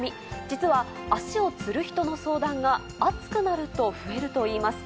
実は、足をつる人の相談が暑くなると増えるといいます。